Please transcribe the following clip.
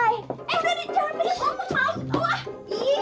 eh rene jangan pergi ke rumah mau